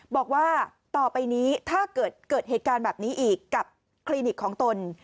บอกว่าต่อไปนี้ถ้าเกิดเกิดเหตุการณ์แบบนี้อีกกับคลินิกของตน